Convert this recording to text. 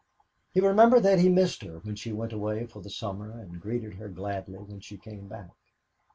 He remembered that he missed her when she went away for the summer and greeted her gladly when she came back.